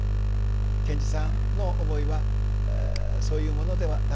賢治さんの思いはそういうものではなかっただろうかと。